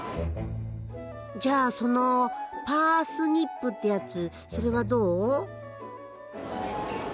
じゃあそのパースニップってやつそれはどう？